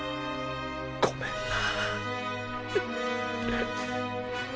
ごめんな。